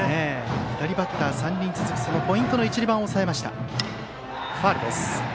左バッター３人続くそのポイントの１、２番を抑えました。